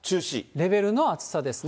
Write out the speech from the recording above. レベルの暑さですね。